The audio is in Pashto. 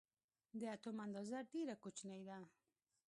د اتوم اندازه ډېره کوچنۍ ده.